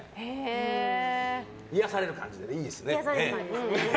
癒やされる感じでいいですね。